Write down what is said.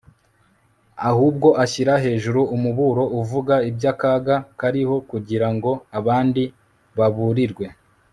ahubwo ashyira hejuru umuburo uvuga iby'akaga kariho kugira ngo abandi baburirwe